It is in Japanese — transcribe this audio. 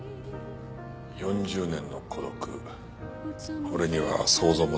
４０年の孤独俺には想像もつかない。